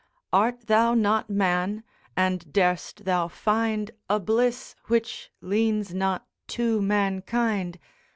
'Art thou not man, and dar'st thou find A bliss which leans not to mankind?